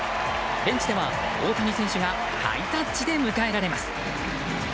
現地では大谷選手がハイタッチで迎えられます。